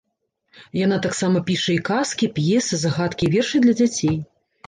Яна таксама піша і казкі, п'есы, загадкі і вершы для дзяцей.